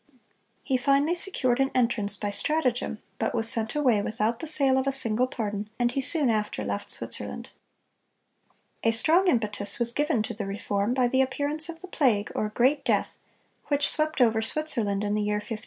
He finally secured an entrance by stratagem, but was sent away without the sale of a single pardon, and he soon after left Switzerland. A strong impetus was given to the reform by the appearance of the plague, or "great death," which swept over Switzerland in the year 1519.